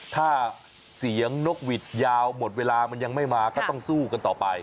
ถ้าเสียงนกหวิดยาวหมดเวลามันยังไม่มาก็ต้องสู้กันต่อไป